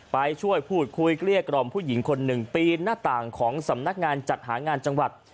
ไปช่วยพูดคุยเกลี้ยกล่อมผู้หญิงคนหนึ่งปีนหน้าต่างของสำนักงานจัดหางานจังหวัด